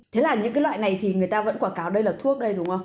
thế là những loại này thì người ta vẫn quả cáo đây là thuốc đây đúng không